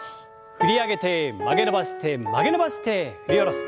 振り上げて曲げ伸ばして曲げ伸ばして振り下ろす。